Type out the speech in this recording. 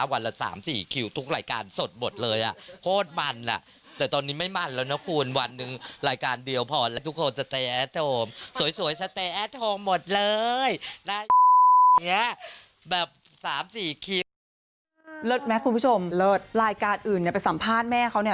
หมดเลยน่าแบบ๓๔คิด